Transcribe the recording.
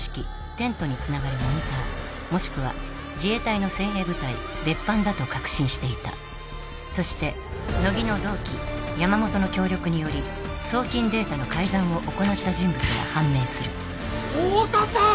・テントにつながるモニターもしくは自衛隊の精鋭部隊別班だと確信していたそして乃木の同期山本の協力により送金データの改ざんを行った人物が判明する太田さん！